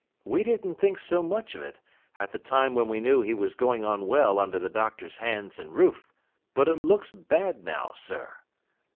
We didn't think so much of it, at the time when we knew he was going on well under the Doctor's hands and roof; but it looks bad now, sir.